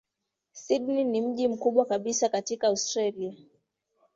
Sydney ni mji mkubwa kabisa katika Australia.